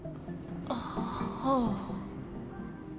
あっ、はあ。